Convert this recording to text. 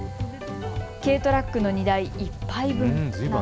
軽トラックの荷台１杯分。